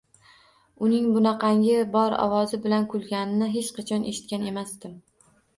Uning bunaqangi bor ovoz bilan kulganini hech qachon eshitgan emasdim.